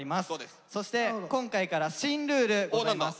そして今回から新ルールございます。